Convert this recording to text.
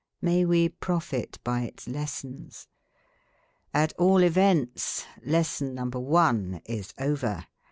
May we profit by its lessons. At all events Lesson No. I is over.